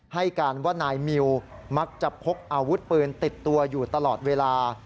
ให้การว่านายมิวมักจะพกอาวุธปืนติดตัวอยู่ตลอดเวลา